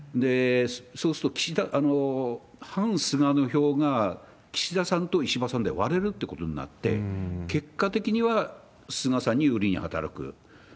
そうすると、反菅の票が石破さんと岸田さんで割れるということになって、結果的には菅さんに有利に働く。